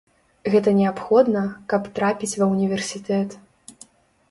Гэта неабходна, каб трапіць ва ўніверсітэт.